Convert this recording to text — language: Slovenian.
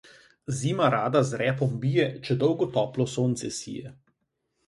Zima rada z repom bije, če dolgo toplo sonce sije.